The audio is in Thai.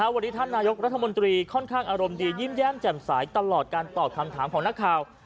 วันนี้ท่านนายกรัฐมนตรีค่อนข้างอารมณ์ดียิ้มแย้มแจ่มสายตลอดการตอบคำถามของนักข่าว